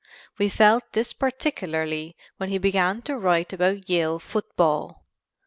We felt this particularly when he began to write about Yale football.